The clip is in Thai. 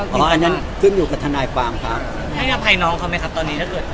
เพราะว่าอ๋ออันนั้นขึ้นอยู่กับทนายปรามค่ะให้อภัยน้องเขาไหมค่ะตอนนี้ถ้าเกิด